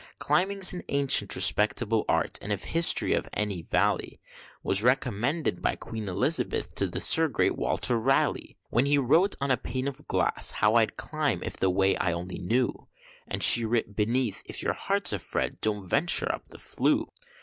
Climbing's an ancient respectable art, and if History's of any vally, Was recommended by Queen Elizabeth to the great Sir Walter Raleigh, When he wrote on a pane of glass how I'd climb, if the way I only knew, And she writ beneath, if your heart's afeard, don't venture up the flue.